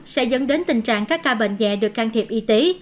sẽ dẫn đến tình trạng các ca bệnh dạy được can thiệp y tế